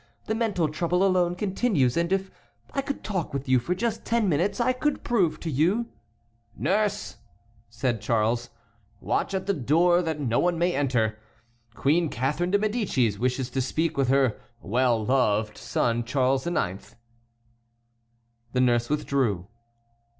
The mental trouble alone continues, and if I could talk with you for just ten minutes I could prove to you"— "Nurse," said Charles, "watch at the door that no one may enter. Queen Catharine de Médicis wishes to speak with her well loved son Charles IX." The nurse withdrew.